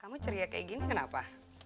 kamu ceria kayak gini kenapa